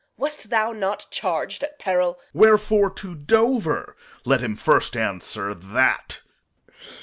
Wast thou not charg'd at peril Corn. Wherefore to Dover? Let him first answer that.